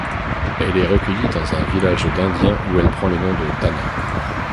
Elle est recueillie dans un village d'Indiens où elle prend le nom de Tana.